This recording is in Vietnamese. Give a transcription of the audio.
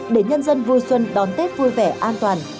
để nhân dân vui xuân đón tết vui vẻ an toàn